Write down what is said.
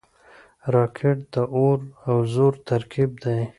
راکټ د اور او زور ترکیب دی